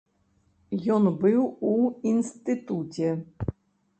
Ён быў у інстытуце.